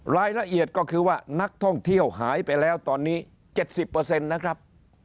รายละเอียดก็คือว่านักท่องเที่ยวหายไปแล้วตอนนี้เจ็ดสิบเปอร์เซ็นต์นะครับ